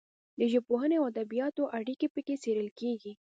د ژبپوهنې او ادبیاتو اړیکې پکې څیړل کیږي.